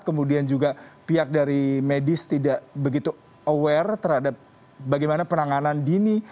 kemudian juga pihak dari medis tidak begitu aware terhadap bagaimana penanganan dini